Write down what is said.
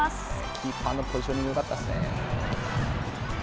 キーパーのポジショニングよかったですね。